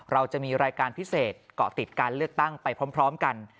เราจะมีรายการพิเศษเกาะติดการเลือกตั้งไปพร้อมกัน